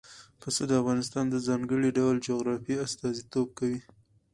پسه د افغانستان د ځانګړي ډول جغرافیه استازیتوب کوي.